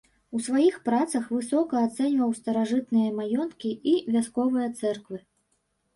У сваіх працах высока ацэньваў старажытныя маёнткі і вясковыя цэрквы.